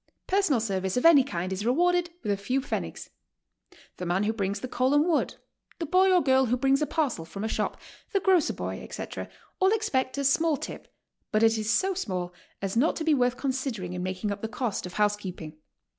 Personal service of any kind is rewarded with a few pfennigs. The man who brings the coal and wood, the boy or girl who brings a parcel from a shop, the grocer boy, etc., all expect a small tip, but it is so small as not to be worth considering in making up the cost of housekeeping.